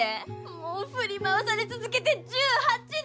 もう振り回され続けて１８年。